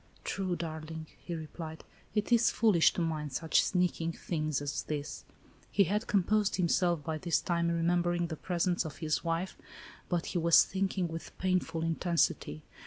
"True, darling," he replied, "it is foolish to mind such sneaking things as this." He had composed himself by this time, remem bering the presence of his wife, — but he was think ing with painful intensity.